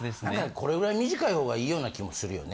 これぐらい短い方がいいような気もするよね？